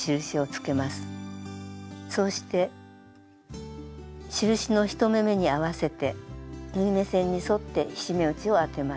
そうして印の１目めに合わせて縫い目線に沿って菱目打ちを当てます。